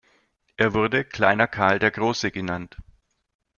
Er wurde „Kleiner Karl der Große“ genannt.